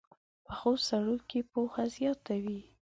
پخو سړو کې پوهه زیاته وي